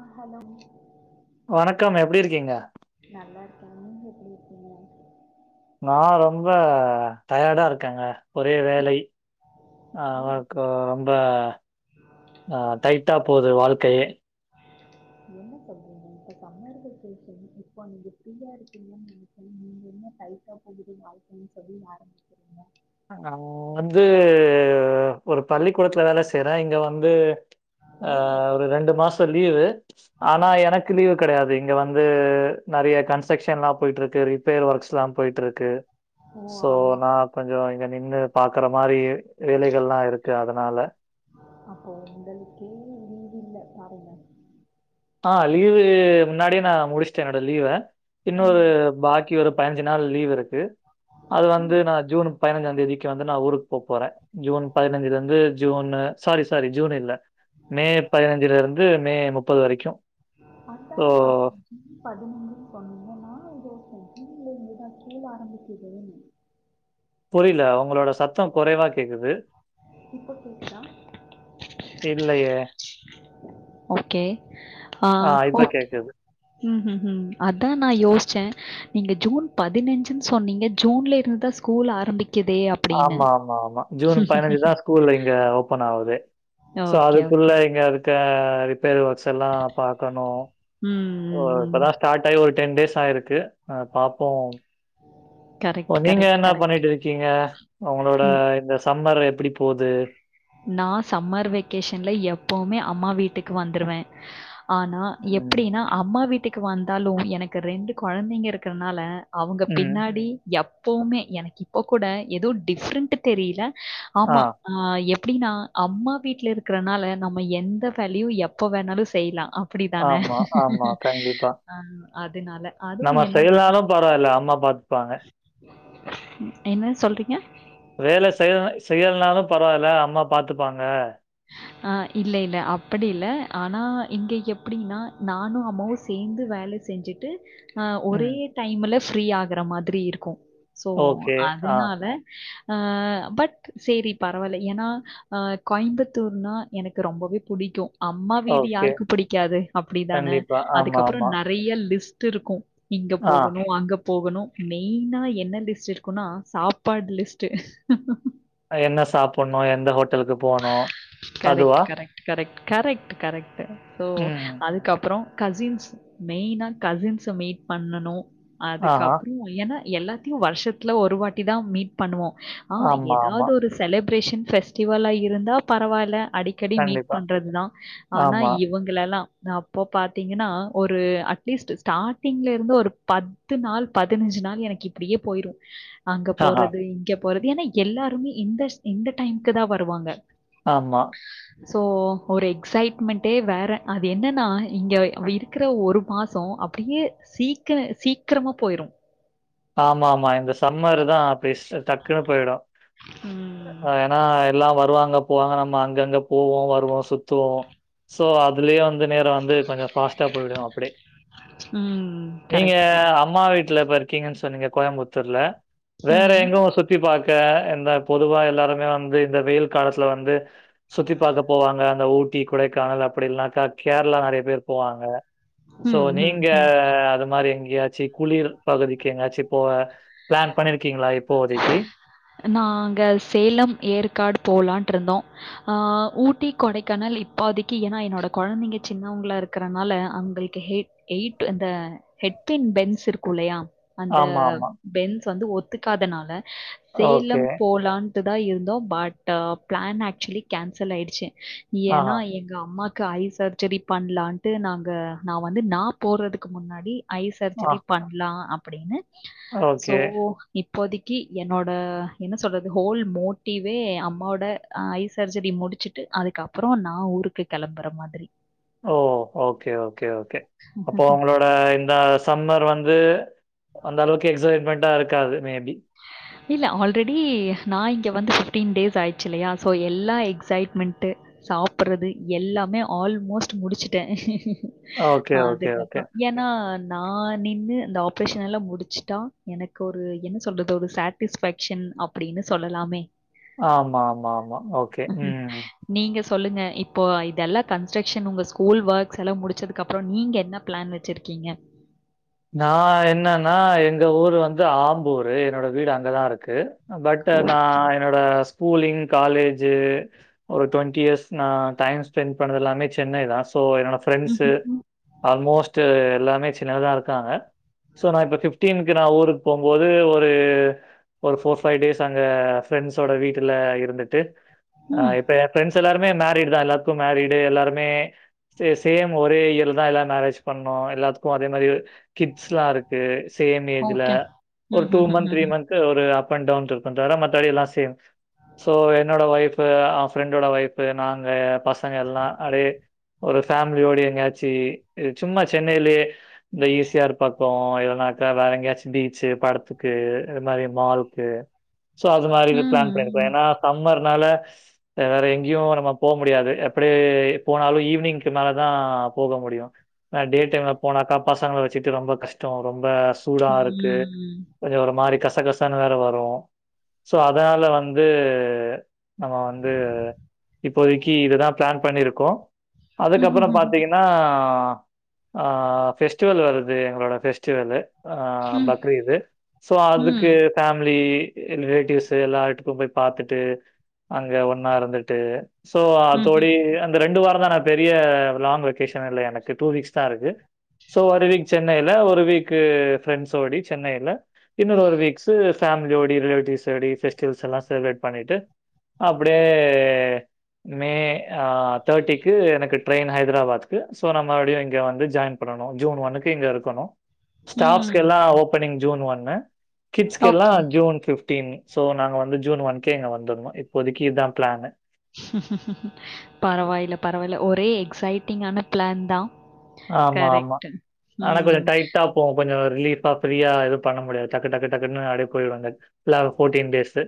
ஆ hello மீ வணக்கம் எப்டி இருக்கீங்க நல்லாருக்கே நீங்க எப்டி இருப்பீங்க நா ரொம்ப டயர்டா இருக்கேங்க ஒரே வேல ஓ அவக்கு ரொம்ப டைட்டா போது வாழ்க்கையே என்ன சொல்றீங்க இப்ப சம்மர் வேகேஷன் இப்போ நீங்க பிரீயா இருக்கீங்கன்னு நென நீங்க என்ன டைட்டா போகுது வாழ்க்கைன்னு சொல்லி ஆரம்பிச்சீங்க ஆ வந்து ஒரு பள்ளிக்கூடத்துல வேல செய்றே இங்க வந்து ஆ ஓ ஒரு ரெண்டு மாச லீவு ஆனா எனக்கு லீவு கெடையாது இங்க வந்து நறைய கன்ஸ்ட்ரக்ஷன்ல்லா போயிட்ருக்கு பேர் ஒர்க்ஸ்லா போயிட்ருக்கு ஓ சோ ஆமா நா கொஞ்ச இங்க நின்னு பாக்குற மாரி வேலைகல்லா இருக்கு அதனால அப்போ உங்களுக்கே லீவு இல்ல பாருங்க ஆ லீவ்வு முன்னாடியே நா முடிச்சுடே என்னோட லீவ்வ இன்னொரு ம், பாக்கி ஒரு பதினஞ்சு நாள் லீவ் இருக்கு அது ம். வந்து நா ஜூன் பதினைஞ்சா தேதிக்கு வந்து நா ஊருக்கு போ போப்போறே ஜூன் பதினைஞ்சுல இருந்து ஜூன்னு சாரி சாரி ஜூன் இல்ல மே பதினஞ்சுல இருந்து மே முப்பது வரைக்கு சோ அதான பாத்தே ஜூன் பதினஞ்சுன்னு சொன்னீங்க நானு யோசிச்சே ஜூன்ல இருந்துதா ஸ்கூல் ஆரம்பிக்குதேன்னு புரியல உங்களோட சத்த குறைவா கேக்குது இப்போ கேக்குதா இல்லையே ஓகே ஆ இப்ப ஓகே கேக்குது ம் ம் ம் அதா நா யோச்சே நீங்க ஜூன் பதினஞ்சுன்னு சொன்னீங்க ஜூன்ல இருந்து ஸ்கூல் ஆரம்பிக்குதே அ ஆமா ஆமா ஆமா ஜூன் பதினஞ்சு தா ஸ்கூல் இங்க ஓபன் ஆகுது சோ ஓகே, அதுக்குள்ள ஓகே. இங்க இருக்க ரிப்பேர் ஒர்க்ஸ் எல்லா பாக்கணு ம் ம் ஓ ம். இப்பதா ஸ்டார்ட் ஆயி ஒரு டென் டேஸ் ஆயிருக்கு அ பாப்போ ஓ கரெக்ட், நீங்க கரெக்ட், என்ன கரெக்ட். பண்ணிட்டு இருக்கீங்க உங்களோட ம். இந்த சம்மர் எப்படி போது நா சம்மர் வெக்கேஷன்ல எப்பவுமே அம்மா வீட்டுக்கு வந்துருவே ஆனா ம் எப்படின்னா அம்மா வீட்டுக்கு வந்தாலு எனக்கு ரெண்டு கொழந்தைங்க இருக்கிறதுனால அவுங்க ம் பின்னாடி எப்பவுமே எனக்கு இப்ப கூட எதோ டிஃப்ரெண்ட்டு தெரியல ஆமா ஆ எப் ப்படின்னா அம்மா வீட்ல இருக்கறனால நம்ம எந்த வேலையு எப்ப வேணாலு செய்யலா அப் படித்தான ஆமா, ஆமா. கண்டிப்பா. அ அதனால அதுவு என்னன்னா ப்பாங்க என்ன சொல்றீங்க வேலை செய்ய செய்யலைனாலு பரவால்ல அம்மா பாத்துப்பாங்க ஆ இல்ல இல்ல அப்படி இல்ல ஆனா இங்க எப்படின்னா நானு அம்மாவு சேந்து வேல செஞ்சுட்டு ஆ ஒரே ம். டைம்ல ஃப்ரீ ஆகுற மாதிரி இருக்கும் சோ ஓகே. ஆ. அதனால ஆ பட் சேரி பரவாயில்ல ஏன்னா ஆ கோயம்பத் தூர்னா எனக்கு ரொம்பவே புடிக்கும் அம்மா வீடு ஓகே. யாருக்கு புடிக்காது அப்டிதான கண்டிப்பா. ஆமா, அதுக்கப்றோம் ஆமா. நெறைய லிஸ்ட் இருக்கும் இங்க ஆ. போகணும் அங்க போகணும் மெயினா என்ன லிஸ்ட் இருக்குனா சாப்பாடு லிஸ்ட்டு என்ன சாப்டணும் எந்த ஹோட்டலுக்கு போணும்? அதுவா? Correct correct correct correct correct so ம். அதுக்கப்புறோம் கசின்ஸ் மெயினா கசின்ஸ மீட் பண்ணனும் ஆஹா. அதுக்கப்றோம் ஏன்னா எல்லாத்தையும் வருஷத்துல ஒரு வாட்டி தான் மீட் பண்ணுவோம் ஆ ஆமா, ஆமா. ஏதாவது ஒரு செலிப்ரேஷன் ஃபெஸ்டிவலா இருந்தா பரவாயில்ல அடிக் கடி மீட் கண்டிப்பா. பண்றது தா ஆனா ஆமா. இவுங் ல்லலாம் அப்போ பாத்தீங்கன்னா ஒரு அட்லீஸ்ட் ஸ்டாரிங்ல இருந்து ஒரு பத்து பத்து நாள் பதினஞ்சு நாள் எனக்கு இப்டியே போயிரும் அங்க ஆஹா. போறது இங்க போறது ஏன்னா எல்லாருமே இந்த இந்த டைம்கு தான் வருவாங்க ஆமா சோ ஒரு எக்சைட்மெண்டே வேற அது என்னன்னா இங்க இருக்குற ஒரு மாசோ அப்டியே சீக்க சீக்கிரமா போயிடும் ஆமா ஆமா இந்த சம்மர் தான் பேஸ் டக்குன்னு போயிடும் உம் ஏன்னா எல்லாம் வருவாங்க போவாங்க நம்ம அங்கங்க போவோம் வருவோம் சுத்துவோம் சோ அதுலயே அந்த வந்து நேரம் வந்து கொஞ்சம் பாஸ்ட்டா போயிடும் அப்டி ம். நீங்க கரெக்ட், கரெக்ட். அம்மா வீட்ல பர் இருக்கிங்கன்னு சொன்னீங்க கோயம்புத்தூர்ல வேற ம். எங்கும் சுத்தி பாக்க க்க இந்த பொதுவா எல்லாருமே வந்து இந்த வெயில் காலத்துல வந்து சுத்தி பாக்க போவாங்க அந்த ஊட்டி கொடைக்கானல் அப்டி இல்னாக்கா கேரளா நெறைய பேர் போவாங்க சோ ம், ம், நீங்க ம். அது மாதிரி எங்கயாச்சு குளிர் பகுதிக்கு எங்கயாச்சு போ பிளான் பண்ணிருக்கீங்ளா இப்போதைக்கு நாங்க சேலம் ஏற்காடு போலான்ட்டு இருந்தோம் ஆ ஊட்டி கொடைக்கானல் இப்போதிக்கு ஏன்னா என்னோட கொழந்தைங்க சின்னவுங்களா இருக்கு இருக்கறனால அவங்களுக்குஹெ ஹெயிட் அ ஹெட் ஃபேன் பென்ஸ் இருக்கும் இல்லயா அந்த ஆமா ஆமா பென்ஸ் வந்து ஒத்துக்காதனால ஓகே சேலம் போலாண் ட்டு தா இருந்தோம் பட் பிளான் ஆக்சுவலி கேன்சல் ஆயிடுச்சு ஏன்னா ஆஹா எங்க அம்மாக்கு ஐ சர்ஜரி பண்ணலான்ட்டு நாங்க நான் வந்து நா போறதுக்கு முன்னாடி ஐ ஆ சர்ஜரி பண்ணலாம் அப்டின்னு சோ ஓகே இப்போதைக்கு என்னோட என்ன சொல்றது ஹோல் மோட்டிவே அம்மாவோட ஆ ஐ சர்ஜரி முடுச்சுட்டு அதுக்கப்றோ நான் ஊருக்கு கெளம்புற மாதிரி ஓ ஓகே ஓகே ஓகே அப்போ உங்களோட இந்த சம்மர் வந்து அந்த அளவுக்கு எக்ஸைட்மெண்ட்டா இருக்காது மேபி இல்ல ஆல்ரெடி நா இங்க வந்து பிஃப்டீன் டேஸ் ஆயிடுச்சு இல்லையா எல்லா எக்ஸைட்மெண்ட்டு சாப்றது எல்லாமே ஆல்மோஸ்ட் முடிச்சுட்டே ஓகே, ஓகே, ஓகே. அதுக்கப்றோம் ஆனா நான் நின்னு அந்த ஆப்ரேஷன் எல்லாம் முடிச்சுட்டா எனக்கு ஒரு என்ன சொல்றது சாட்டிஸ்பேக்க்ஷன் அப்டின்னு சொல்லலாமே ஆமா ஆமா ஆமா ஓகே உம் நீங்க சொல்லுங்க இப்போ இதெல்லா கன்ஸ்ட்ரக்ஷன் உங்க ஸ்கூல் ஒர்க்ஸ் எல்லா முடிச்சதுக்கு அப்பறோ நீங்க என்ன பிளான் வச் சிருக்கீங்க நா என்னன்னா எங்க ஊரு வந்து ஆம்பூரு என்னோட வீடு அங்கதா இருக்கு பட் நா ஓகே. என்னோட ஸ்கூலிங் காலேஜு ஒரு டுவெண்ட்டி இயர்ஸ் நா டைம ஸ்பெண்ட் பண்ணதெல்லாமே சென்னை தா சோ என்னோட ஃப்ரெண்ட்ஸ்சு ம்ஹ்ம். ஆல்மோஸ்ட் எல்லாமே சென்னைலதா இருக் காங்க சோ நா இப்ப பிப்டீன்கு நா ஊருக்கு போம்போது ஒரு ஒரு ஃபோர் பைவ் டேஸ் அங்க ஃப்ரெண்ட்ஸோட வீட்டுல இருந்துட்டு அ ம். இப்ப என் ஃப்ரெண்ட்ஸ் எல்லாருமே மேரிட் தா எல்லாத்துக்கும் மேரீடு எல்லாருமே சேம் ஒரே இயர்லதா எல்லாரு மேரேஜ் பண்ணோ எல்லாத்துக்கும் அதே மாறி கிட்ஸ் எல்லா இருக்கு சேம் ஏஜ்ல ஓகே. ஒரு டூ மந்த் த்ரீ ம்ஹ்ஹ்ஹ்ம். மந்த் க்கு ஒரு அப் அண்ட் டவுன் இருக்கும் தவர மத்தபடி எல்லா சேம் சோ என்னோட ஒய்ஃபு அவ ஃப்ரெண்டோட ஒய்ஃப்பு நாங்க பசங்க எல்லா அப்டே ஒரு ஃபேமிலி யூனியன் எங்கயாச்சு சும்மா சென்னைலயே இந்த ஈ சி ஆர் பக்கோ இல்லன்னாக்க வேற எங்கேயாச்சு பீச்சு படத்துக்கு இது மாறி மால்கு சோ அது மாறி ம். பிளான் பண்ணியிருக்கோ ம். ஏன்னா சம்மர்னால வேற எங்கயு நம்ம போ முடியாது அப்படியே போனாலும் ஈவினிங் மேலதா போக முடியும் அ டே டைம்ல போனாக்கா பசங்கள வச்சுட்டு ரொம்ப கஷ்டோ ரொம்ப சூடா ம் இருக்கு ம் ம் கொஞ்சோ ஒரு மாறி கசகசன்னு வேற வரும் சோ அதனால வந்து நம்ம வந்து இப்போதைக்கு இதுதா பிளான் பண்ணியிருக்கோ அதுக்கப்பறோ பாத்தீங்கன்னா ஆ ஃவெஸ்டிவல் வரு து எங்களோட ஃபெஸ்டிவல்லு ஆ பக்ரீது சோ அதுக்கு ம். ஃபேமிலி ரிலேட்டிவ்ஸ் எல்லா வீட்டுக்கும் போயி பாத்துட்டு அங்க ஒன்னா இருந்துட்டு சோ ம்ஹ்ம். அதோடயே இந்த ரெண்டு வாரந்தா நா பெரிய லாங் வொக்கேஷன் இல்ல எனக்கு டூ வீக்ஸ் தா இருக்கு சோ ஒரு வீக் சென்னையில ஒரு வீக்கு ஃப்ரெண்ட்ஸ்ஓடி சென்னையில இன்னொரு ஒரு வீக்ஸ்சு ஃபேமிலியோடி ரிலேட்டிவ்ஸ் ஓடி ஃபெஸ்டிவல்ஸ் எல்லா செலிப்ரேட் பண்ணிட்டு அப்டியே மே அ தேர்ட்டிக்கு எனக்கு ட்ரெயின் ஹைதராபாத்துக்கு சோ மறுபடியு இங்க வந்து ஜாயின் பண்ணணு ஜூன் ஒன்னுக்கு இங்க இருக்கணு ஸ்டாப்க்கு ம். எல்லா ஓப்பனிங் ஜூன் ஒன்னு கிட்ஸ்க்கெல்லா okay. June fifteen so நாங்க வந்து ஜூன் ஒன்கே எங்க வந்திர்ணு இப்போதைக்கு இத்தா பிளானு பரவாயில்ல பரவாயில்ல ஒரே எக்ஸைட்டிங்கான பிளான் தா கரெக்ட்டு உம் இப்ப கொஞ்சோ ரிலீஃப்பா ப்ரியா எதும் பண்ண முடியாது டக்கு டக்கு டக்குன்னு அப்டே போயிடும் பிலாவ் போர்டின் டேஸ்சு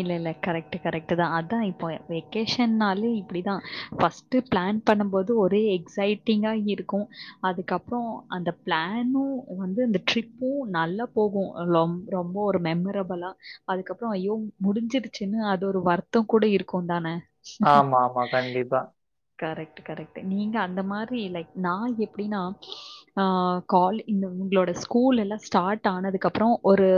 இல்ல இல்ல கரெக்ட் கரெக்ட் தா அத்தா இப்போ வெக்கேஷன்னாலே இப்பிடிதா ஃபர்ஸ்ட் ட்டு பிளான் பண்ணம்போது ஒரே எக்ஸைட்டிங்கா இருக்கும் அதுக்கப்றோ அந்த பிளானும் வந்து அந்த ட்ரிப்பும் நல்லா போகும் லொம் ரொம்ப ஒரு மெம்மரபுளா அதுக்கப்றோ ஐய்யோ முடிஞ்சிருச்சுன்னு அது ஒரு வருத்தம் கூட இருக்கும் தானே ஆமா ஆமா கண்டிப்பா கரெக்ட்டு கரெக்ட்டு நீங்க அந்த மாற் இல்ல நா எப்டின்னா ஆ கால் இந்த உங்களோட ஸ்கூல் எல்லா ஸ்டார்ட் ஆனதுக்கு அப்றோ ஒரு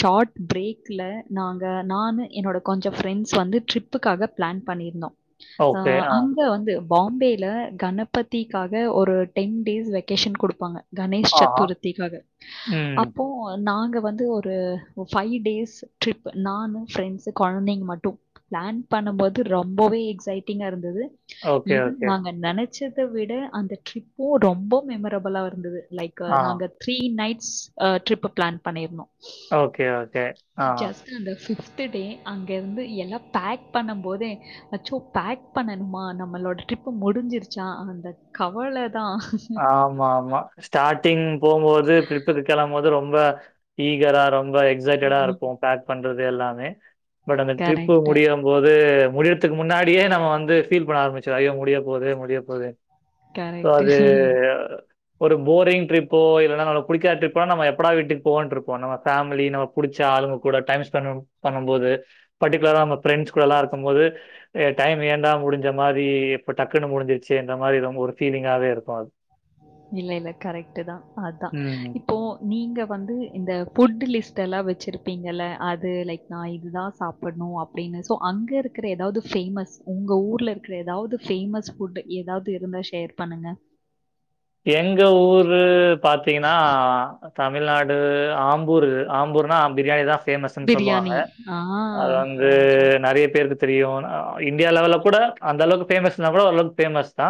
ஷார்ட் பிரேக் ல்ல நாங்க நானு என்னோட கொஞ்ச ஃப்ரெண்ட்ஸ் வந்து ட்ரிப்புக்காக பிளான் பண்ணியிருந்தோ ஆ அங்க வந்து பாம்பேல கணபதிக்காக ஒரு டென் டேஸ் வெக்கேஷன் குடுப்பாங்க கணேஷ் ஆஹா. சத்துர்த்திக்காக ம். அப்போ நாங்க வந்து ஒரு ஃபைவ் டேஸ் சுற்றி நானு ஃப்ரெண்ட்ஸ்ஸு கொழந்தைங்க மட்டு ப்ளான் பண்ணுபோது ரொம்பவே எக்ஸைட்டிங்கா இருந்தது ஓகே, ஈவன் ஓகே. நாங்க நெனைச்சதை விட அந்த ட்ரிப்பு ரொம்ப மெமரபிளா இருந்தது லைக் கு ஆ. நாங்க த்ரீ நைட்ஸ்ஸு அ ட்ரிப் ப்ளான் பண்ணிருந்தோ ஓகே ஓகே ஆ. ஜஸ்ட் அந்த ஃபிப்து டே அங்க இருந்து எல்லா பேக் பண்ண போதே அச்சோ பேக் பண்ணணுமா நம்மளோட ட்ரிப்பு முடிஞ்சிருச்சா அந்த கவல தா ஆமா ஆமா ஸ்டார்டிங் போபோது ட்ரிப்க்கு கெளம்போது ரொம்ப ஈகரா ரொம்ப எக்ஸைட்டடா இருப்போ பேக் பண்றது எல்லாமே பட் அந்த ட்ரிப்பு கரெக்டு முடிய போது முடியறதுக்கு முன்னாடியே நம்ம வந்து ஃபீல் பண்ண ஆரம்பிச்சு ஐயோ முடியா போதே முடிய போதே கரெக்ட் [unintelligible] ஒரு போரிங் ட்ரிப்போ இல்லைன்னா நம்மளுக் புடிக்காத ட்ரிப்போ நம் எப்பாட வீட்டுக்கு போவோன்ருப்போ நம்ம ஃபேமிலி நம்ம புடிச்ச ஆளுங்க கூட டைம் ஸ்பெண்ட் பண்ணு போது பர்டிகுலரா நம்ம ஃப்ரெண்ட்ஸ்ஸு கூட எல்லா இருக்கு போது ஏ டைம் ஏண்டா முடிஞ்ச மாரி எப்போ டக்குன்னு முடிஞ்சிச்சு என்ற மாதிரி ரொம்ப ஒரு ஃபீலிங்காகவே இருக் பால் இல்ல இல்ல கரெக்ட் தா அதா ம். இப் போ நீங்க வந்து இந்த ஃபுட்டு் லிஸ்ட்டு எல்லா வச்சுருப்பீங்கள அது லைக் நா இது தா சாப் பட்னு அப்டின்னு ஸோ அங்க இருக்கிற ஏதாவ்து ஃபேமஸ் உங்க ஊர்ல இருக்க ஏதாவ்து ஃபேமஸ் ஃபுட்டு ஏதாவ்து இருந்தா ஷேர் பண்ணுங்க எங்க ஊரு பாத்தீங்கன்னா தமிழ்நாடு ஆம்பூரு ஆம்பூர்னா ப்ரியாணி தா ஃபேமஸ்ன்னு சொல்லுவாங்க பிரியாணி ஆ அது வந்து ரைட் ரைட் நெறைய பேருக்கு தெரியு இண்டியா லெவல்ல கூட அந்தளவுக்கு ஃபேமஸ்னா கூட ஒரளவுக்கு ஃபேமஸ் தா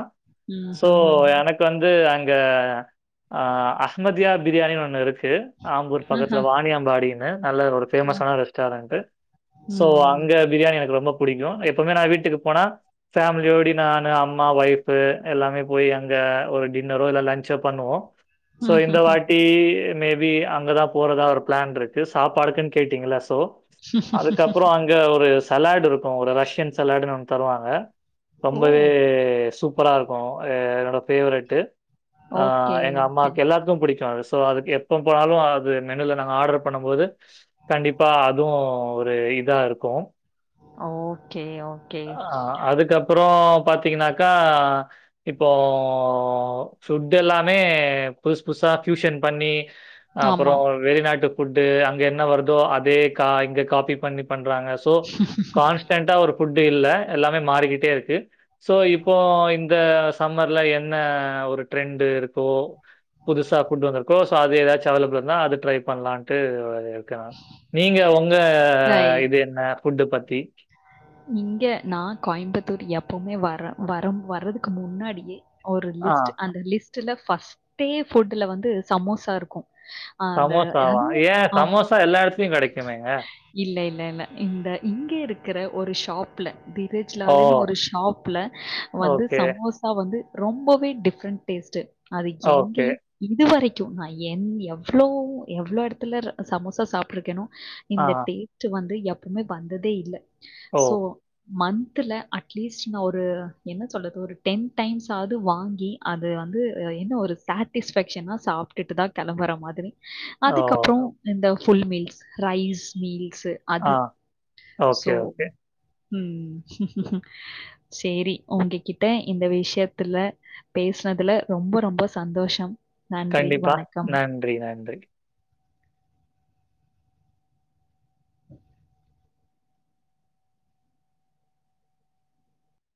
ம் ஸோ ம் ம் எனக்கு வந்து அங்க அ அகமதியா ப்ரியாணிணு ஒண்ணு இருக்கு ஆம்பூர் பக்கத்துல ஆஹா. வாணியாம்பாடினு நல்ல ஒரு ஃபேமஸான ரெஸ்டாரண்ட்டு ஸோ ம். அங்க ப்ரியாணி எனக்கு ரொம்ப பிடிக்கு நா எப்பமே நா வீட்டுக்கு போனா ஃபேமிலியோட நானு அம்மா ஒய்ஃபு எல்லாமே போய் அங்க ஒரு டின்னரோ இல்ல லஞ்சோ பண்ணுவோ ஸோ இந்த வாட்டி மேபி அங்கதா போறதா ஒரு ப்ளான்ருக்கு சாப்பாடுக்குன்னு கேட்டீங்களா ஸோ அதுக்கப்பறோ அங் க ஒரு சலாடு இருக்கு ஒரு ரஷ்யன் சலாடுன்னு ஒ தருவாங்க ஓ! ரொம்பவே சூப் ரா இருக்கு எ என்னோட ஃபேவரட்டு ஓகே, எங்க ஓகே. அம்மாக்கு எல்லா ருக்கு புடிக்கு அது ஸோ அது எப்ப போனாலு அது மெனுல நாங்க ஆர்டர் பண்ணு போது கண்டிப்பா அதுவு ஒரு இதா இருக்கு ஓகே ஓக் அ அதுக்கப்பறோ பாத்தீங்கன்னாக்கா இப்போ ஃபுட் எல்லாமே புதுசு புதுசா ஃபியூஷன் பண்ணி அப்பறோ ஆமா. வெளிநாட்டு ஃபுட்டு அங்க என்ன வருதோ அதே கா இங்க காப்பி பண்ணி பண்றாங்க ஸோ கான்ஸ்டண்டா ஒரு ஃபுட்டு் இல்ல எல்லாமே மாறிக்கிட்டு இருக்கு ஸோ இப்போ இந்த சம்மர்ல என்ன ஒரு ட்ரெண்டு இருக்கோ புதுசா ஃபுட் வந்திருக்கோ சோ அது ஏதாச்சு அவைலபிள்னா அது ட்ரை பண்லான்ட்டு இருக்கே நா நீங்க உங்க ரைட். இது என்ன ஃபுட்டு பத்தி இங்க நா கோயம்புத்தூர் எப்பவுமே வர வரம் வர்ரதுக்கு முன்னாடியே ஒரு ஆ. லிஸ்ட்டு அந்த லிஸ்ட்ல ஃப்ஸ்ட்டே ஃபுட்ல வந்து சமோசா இருக்கு சமோசாவா ஏ சமோசா எல்லா எடத்துலயு கெடைக்குமேங்க இல்ல இல்ல இல்ல இந்த இங்க இருக்கற ஒரு ஷாப்ல தி து ஓ! ஸ்லாலுனு ஒரு ஷாப்ல வந்து ஓகே, சமோசா வந்து ரொம்பவே டிஃப்ரெண்ட் டேஸ்ட்டு அது ஓகே. எங்கியு இது வரைக்கு நா என் எவ்ளோ எவ்ளோ எடத்துலர் சமோசா சாப்ட்ருக்கேனோ ஆ. இந்த டேஸ்ட்டு வந்து எப்பவுமே வந்ததே இல்ல ஓ! போ மந்த்துல அட்லீஸ்ட் நா ஒரு என்ன சொல்றது ஒரு டென் டைம்ஸாது வாங்கி அது வந்து என்ன ஒரு சாட்டிஸ் ஃபெக்க்ஷனா சாப்ட்டுட்டு தா கெளம்புற மாதிரி ஓ! அதுக்கப்புறோ இந்த ஃபுல் மீல்ஸ் ரைஸ் மீல்ஸு அது ஆ. So okay, okay. ம் சேரி ஓங்ககிட்ட இந்த விஷ்யத்துல பேசனதுல ரொம்ப ரொம்ப சந்தோஷம் நன்றி. கண்டிப்பா வணக்கம். நன்றி நன்றி